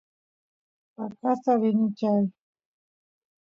vacasta rini chay